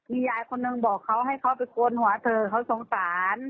มียายคนหนึ่งบอกเขาให้เขาไปโกนหัวเถอะเขาสงสาร